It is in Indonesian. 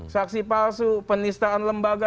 saksi palsu penistaan lembaga